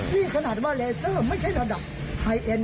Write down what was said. นี่ขนาดว่าเลเซอร์ไม่ใช่ระดับไฮเอ็น